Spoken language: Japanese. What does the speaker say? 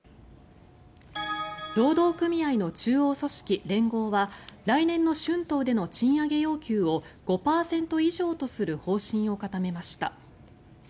労働組合の中央組織連合は来年の春闘での賃上げ要求を５％以上とする方針を固めました。